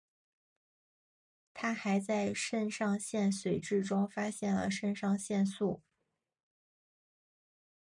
他还在肾上腺髓质中发现了肾上腺素。